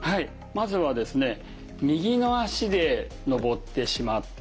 まずはですね右の足で上ってしまって。